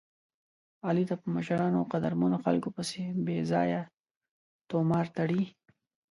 علي تل په مشرانو او قدرمنو خلکو پسې بې ځایه طومار تړي.